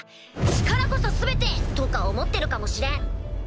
「力こそ全て！」とか思ってるかもしれん。